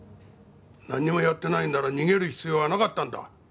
なんにもやってないんなら逃げる必要はなかったんだ。